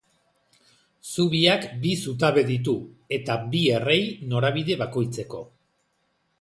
Zubiak bi zutabe ditu eta bi errei norabide bakoitzeko.